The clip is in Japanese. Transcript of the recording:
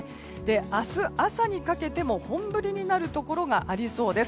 明日朝にかけても、本降りになるところがありそうです。